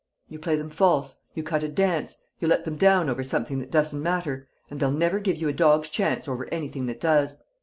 You play them false, you cut a dance, you let them down over something that doesn't matter, and they'll never give you a dog's chance over anything that does!